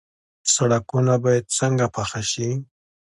سړکونه باید څنګه پاخه شي؟